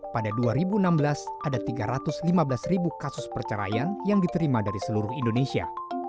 pada dua ribu enam belas ada tiga ratus lima belas ribu kasus perceraian yang diterima dari seluruh indonesia